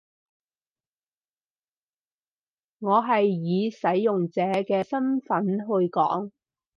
我係以使用者嘅身分去講